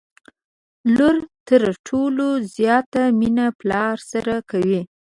لور تر ټولو زياته مينه پلار سره کوي